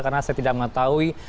karena saya tidak mengetahui